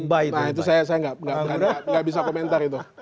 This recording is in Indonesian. nah itu saya nggak bisa komentar itu